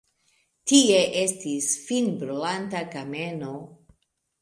Tie estis finbrulanta kameno.